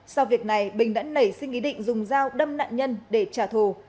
sau việc này bình đã nảy sinh ý định dùng dao đâm nạn nhân để trả thù